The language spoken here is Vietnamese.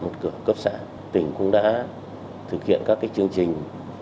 một cửa cấp xã tỉnh cũng đã thực hiện các chương trình